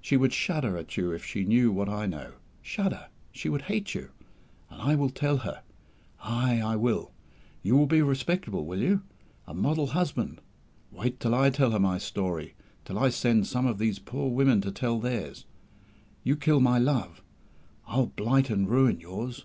She would shudder at you if she knew what I know. Shudder! She would hate you! And I will tell her! Ay, I will! You will be respectable, will you? A model husband! Wait till I tell her my story till I send some of these poor women to tell theirs. You kill my love; I'll blight and ruin yours!"